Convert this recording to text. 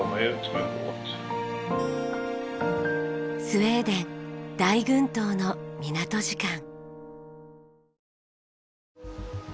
スウェーデン大群島の港時間。